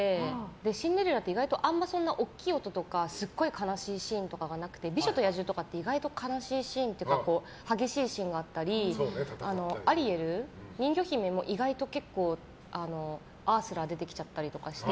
「シンデレラ」って意外とあんまり大きい音とか悲しいシーンがなくて「美女と野獣」とかって意外と悲しいシーンとか激しいシーンがあったりアリエル、人魚姫も意外と結構アースラ出てきちゃったりして。